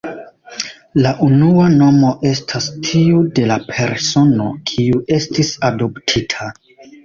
La unua nomo estas tiu de la persono, kiu estis adoptita.